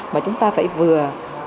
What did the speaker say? mà chúng ta phải vừa